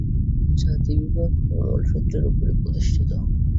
জাতিবিভাগ ঐ মূলসূত্রের উপরই প্রতিষ্ঠিত।